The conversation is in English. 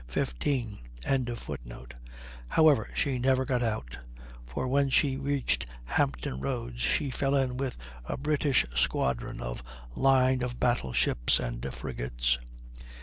15.] However, she never got out; for when she reached Hampton Roads she fell in with a British squadron of line of battle ships and frigates.